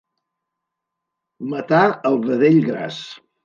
Matar el vedell gras.